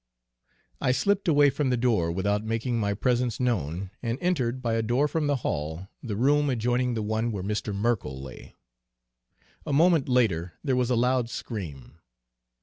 "I slipped away from the door without making my presence known and entered, by a door from the hall, the room adjoining the one where Mr. Merkell lay. A moment later there was a loud scream.